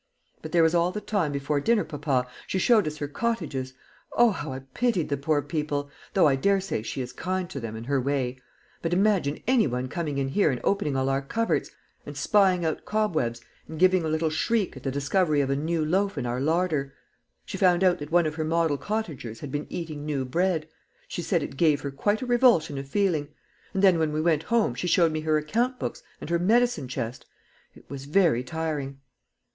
"But there was all the time before dinner, papa. She showed us her cottages O, how I pitied the poor people! though I daresay she is kind to them, in her way; but imagine any one coming in here and opening all our cupboards, and spying out cobwebs, and giving a little shriek at the discovery of a new loaf in our larder. She found out that one of her model cottagers had been eating new bread. She said it gave her quite a revulsion of feeling. And then when we went home she showed me her account books and her medicine chest. It was very tiring."